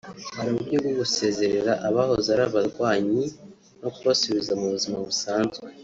Hari uburyo bwo gusezerera abahoze ari abarwanyi no kubasubiza mu buzima busanzwe